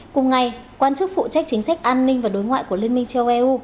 cùng ngày quan chức phụ trách chính sách an ninh và đối ngoại của liên minh châu âu